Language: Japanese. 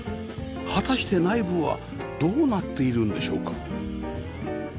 果たして内部はどうなっているのでしょうか？